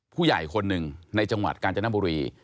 ผู้ใหญ่คนหนึ่งในจังหวัดกาญจนบุรี